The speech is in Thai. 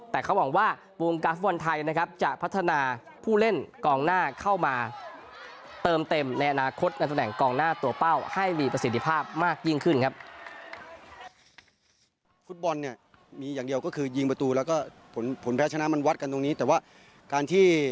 แต่เขาหวังว่าวงค์กราฟฟุภัณฑ์ไทยนะครับจะพัฒนาผู้เล่นกองหน้าเข้ามาเติมเต็มในอนาคต